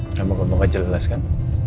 namanya gue gak jelas kan